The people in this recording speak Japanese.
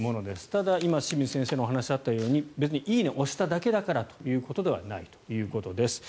ただ、今、清水先生からお話があったように別に「いいね」を押しただけだからではないということです。